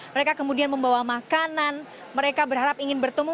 mereka kemudian membawa makanan mereka berharap ingin bertemu